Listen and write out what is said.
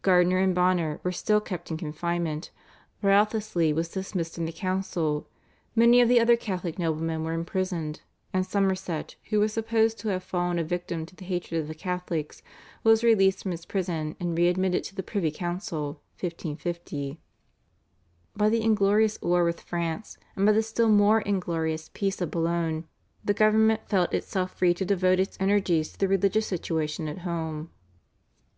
Gardiner and Bonner were still kept in confinement; Wriothesley was dismissed from the council; many of the other Catholic noblemen were imprisoned, and Somerset who was supposed to have fallen a victim to the hatred of the Catholics was released from his prison and re admitted to the privy council (1550). By the inglorious war with France and by the still more inglorious peace of Boulogne the government felt itself free to devote its energies to the religious situation at home.